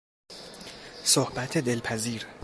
صحبت دلپذیر